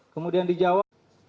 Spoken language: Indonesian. kemudian di jawa